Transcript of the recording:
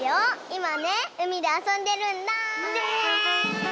いまねうみであそんでるんだ！ねえ！